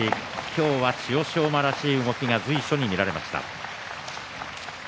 今日は千代翔馬らしい動きが随所に見られました。